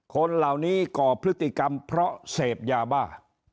คนเหล่านี้ก่อพฤติกรรมเพราะเสพยาบ้า